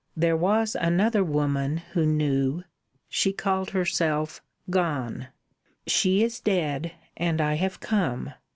"There was another Woman Who Knew. She called herself Gone. She is dead, and I have come.